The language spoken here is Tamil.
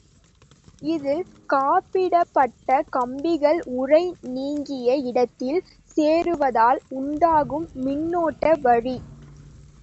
இதில் காப்பிடப்பட்ட கம்பிகள் உறை நீங்கிய இடத்தில் சேருவதால் உண்டாகும் மின்னோட்ட வழி.